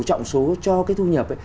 trọng số cho cái thu nhập